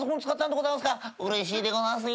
うれしいでございますね。